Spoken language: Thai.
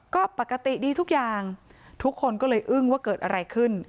ก็ปกติดีทุกอย่างทุกคนก็เลยอึ้งว่าเกิดอะไรขึ้น